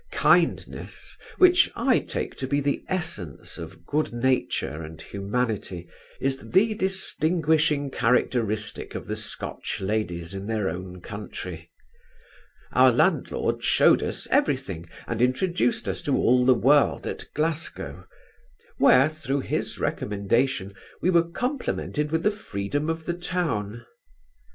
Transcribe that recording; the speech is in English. Kindness, which I take to be the essence of good nature and humanity, is the distinguishing characteristic of the Scotch ladies in their own country Our landlord shewed us every thing, and introduced us to all the world at Glasgow; where, through his recommendation, we were complimented with the freedom of the town.